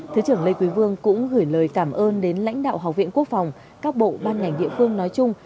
thứ trưởng lê quý vương cũng gửi lời cảm ơn đến lãnh đạo học viện quốc phòng các bộ ban ngành địa phương nói chung